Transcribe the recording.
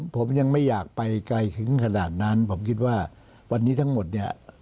ผมยังไม่อยากไปไกลถึงขนาดนั้นผมคิดว่าวันนี้ทั้งหมดเนี่ย